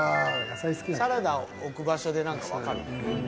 サラダを置く場所でなんかわかるね。